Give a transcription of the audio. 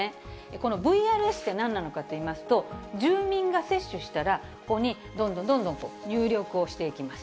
このＶＲＳって何なのかっていいますと、住民が接種したら、ここにどんどんどんどん入力をしていきます。